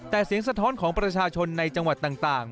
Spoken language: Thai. แต่เสียงสะท้อนของประชาชนในจังหวัดต่าง